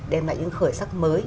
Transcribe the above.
đem lại những khởi sắc mới